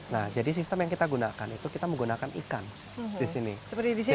nah jadi sistem yang kita gunakan itu kita menggunakan ikan di sini seperti di sini ya